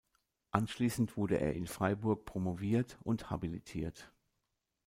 Anschließend wurde er in Freiburg promoviert und habilitiert.